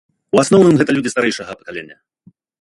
У асноўным гэта людзі старэйшага пакалення.